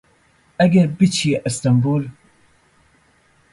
ئەگەر پچیە ئەستەمبول